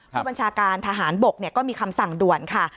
ผู้บัญชาการทหารบกก็มีคำสั่งด่วนค่ะ